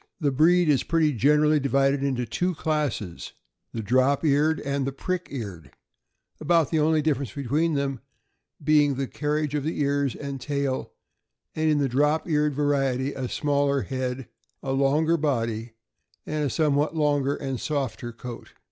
The breed is pretty generally divided into two classes, the drop eared and the prick eared, about the only difference between them being the carriage of the ears and tail, and in the drop eared variety a smaller head, a longer body, and a somewhat longer and softer coat.